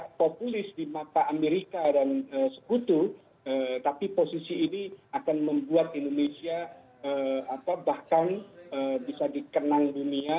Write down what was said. tidak populis di mata amerika dan sekutu tapi posisi ini akan membuat indonesia bahkan bisa dikenang dunia